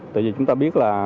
tại vì chúng ta biết là